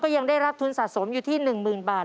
ยังได้รับทุนสะสมอยู่ที่๑๐๐๐บาท